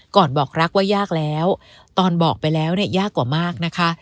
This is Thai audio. บอกรักว่ายากแล้วตอนบอกไปแล้วเนี่ยยากกว่ามากนะคะ